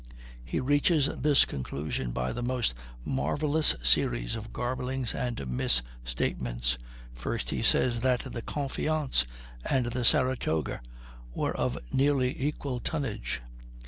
He reaches this conclusion by the most marvellous series of garblings and misstatements. First, he says that the Confiance and the Saratoga were of nearly equal tonnage.